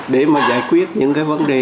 để mà giải quyết những cái vấn đề